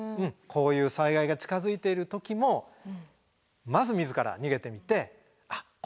こういう災害が近づいている時もまず自ら逃げてみてあっ